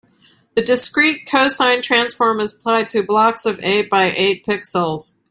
The discrete cosine transform is applied to blocks of eight by eight pixels.